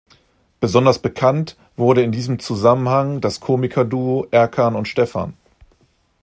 Besonders bekannt wurde in diesem Zusammenhang das Komikerduo Erkan und Stefan.